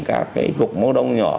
các cái gục máu đông nhỏ